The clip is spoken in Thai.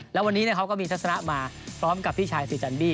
แล้ววันนี้เขาก็มีทัศนะมาพร้อมกับพี่ชายฟีจันบี้